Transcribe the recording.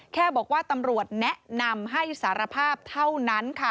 แค่บอกว่าตำรวจแนะนำให้สารภาพเท่านั้นค่ะ